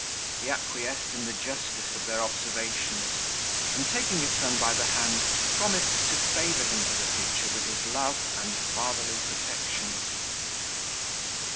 He acquiesced in the justice of their observations: and, taking his son by the hand, promised to favour him for the future with his love and fatherly protection.